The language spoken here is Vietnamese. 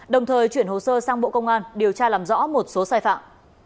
đồng thời chuyển hồ sơ sang bộ công an điều tra làm rõ một số sai phạm